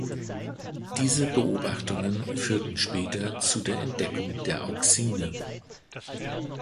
Diese Beobachtungen führten später zu der Entdeckung der Auxine.